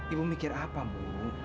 ibu mikir apa bu